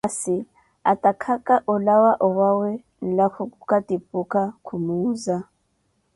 Masi, atakhaka olaawo owawe, nlako khukatipukha, khumuuza.